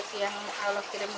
mengurangi beban raudatul amanah